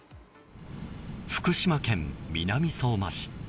福島県南相馬市。